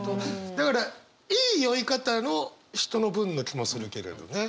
だからいい酔い方の人の文の気もするけれどね。